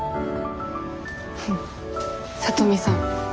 聡美さん。